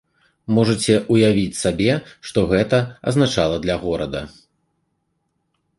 Можаце ўявіць сабе, што гэта азначала для горада.